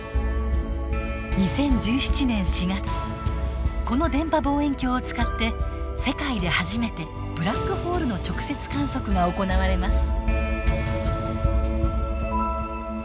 ２０１７年４月この電波望遠鏡を使って世界で初めてブラックホールの直接観測が行われます。